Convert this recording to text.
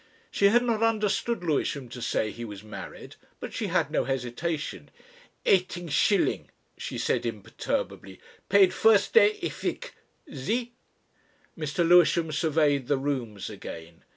She had not understood Lewisham to say he was married. But she had no hesitation. "Aayteen shillin'," she said imperturbably. "Paid furs day ich wik ... See?" Mr. Lewisham surveyed the rooms again.